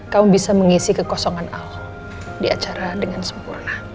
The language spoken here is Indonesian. kamu bisa mengisi kekosongan allah di acara dengan sempurna